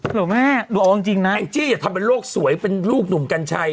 เหรอแม่หนูเอาจริงนะแองจี้อย่าทำเป็นโลกสวยเป็นลูกหนุ่มกัญชัย